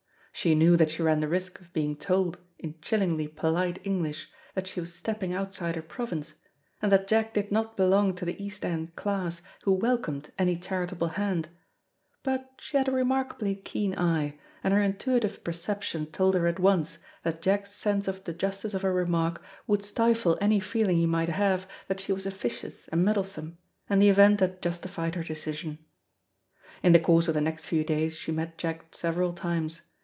She knew that she ran the risk of being told, in chillingly polite English, that she was stepping outside her province, and that Jack did not belong to the East End class who welcomed any charitable hand; but she had a remarkably keen eye, and her intuitive perception told her at once that Jack's sense of the justice of her remark would stifle any feeling he might have that she was officious and meddlesome, and the event had justified her decision. In the course of the next few days she met Jack several times.